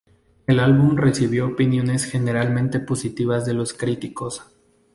El álbum recibió opiniones generalmente positivas de los críticos.